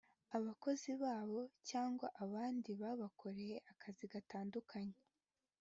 abakozi babo cyangwa abandi babakoreye akazi gatandukanye